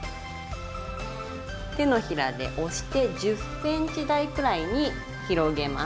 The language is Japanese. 手のひらで押して１０ｃｍ大くらいに広げます。